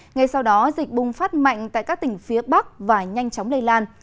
ngay sau đó dịch bùng phát mạnh tại các tỉnh phía bắc và nhanh chóng lây lan